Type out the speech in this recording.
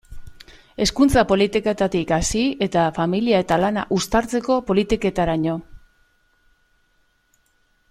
Hezkuntza politiketatik hasi eta familia eta lana uztartzeko politiketaraino.